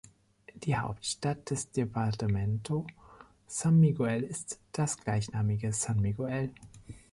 Die Hauptstadt des Departamento San Miguel ist das gleichnamige San Miguel.